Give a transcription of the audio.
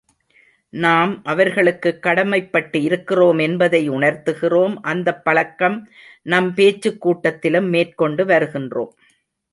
நாம் அவர்களுக்குக் கடமைப்பட்டு இருக்கிறோம் என்பதை உணர்த்துகிறோம், அந்தப் பழக்கம் நம் பேச்சுக் கூட்டத்திலும் மேற்கொண்டு வருகிறோம்.